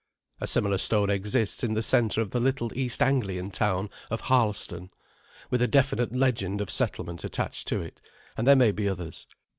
A similar stone exists in the centre of the little East Anglian town of Harleston, with a definite legend of settlement attached to it; and there may be others.